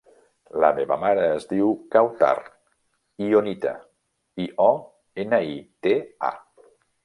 La meva mare es diu Kawtar Ionita: i, o, ena, i, te, a.